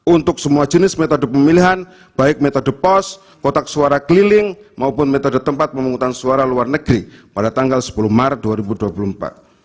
untuk semua jenis metode pemilihan baik metode pos kotak suara keliling maupun metode tempat pemungutan suara luar negeri pada tanggal sepuluh maret dua ribu dua puluh empat